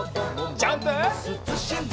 ジャンプ！